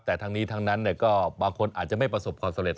แต่ทั้งนี้ทั้งนั้นก็บางคนอาจจะไม่ประสบความสำเร็